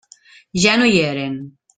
Ja no hi eren.